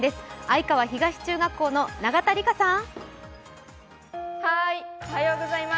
愛川東中学校の永田梨華さん。